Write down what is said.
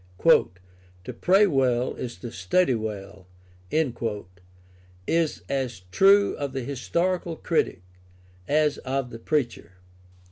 "To pray well is to study well" is as true of the historical critic as of the preacher.